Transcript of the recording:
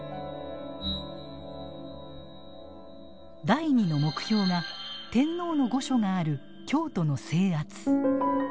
第２の目標が天皇の御所がある京都の制圧。